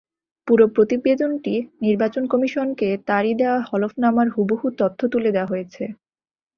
পুরো প্রতিবেদনটি নির্বাচন কমিশনকে তাঁরই দেওয়া হলফনামার হুবহু তথ্য তুলে দেওয়া হয়েছে।